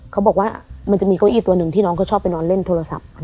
เขาบอกว่ามันจะมีเก้าอี้ตัวหนึ่งที่น้องเขาชอบไปนอนเล่นโทรศัพท์